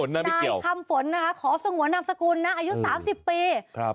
นายคำฝนขอสงวนนามสกุลนะ